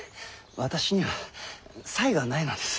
私には才がないのです。